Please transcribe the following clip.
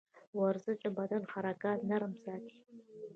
ورزش د بدن حرکات نرم ساتي.